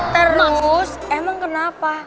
terus emang kenapa